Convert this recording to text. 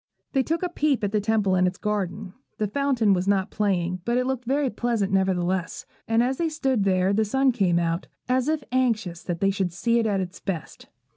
They took a peep at the Temple and its garden. The fountain was not playing, but it looked very pleasant, nevertheless; and as they stood there the sun came out, as if anxious that they should see it at its best.